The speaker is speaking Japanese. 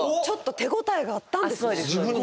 ちょっと手応えがあったんですね。。